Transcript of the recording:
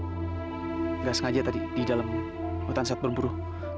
tidak sengaja tadi di dalam hutan saat berburu